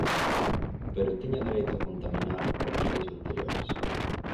Pero ¿tiña dereito a contaminar, polas leis anteriores?